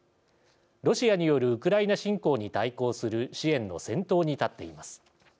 ロシアによるウクライナ侵攻に対抗する支援の先頭に立っています。